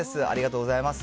ありがとうございます。